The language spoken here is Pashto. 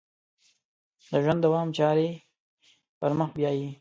د ژوند دوام چارې پر مخ بیایي.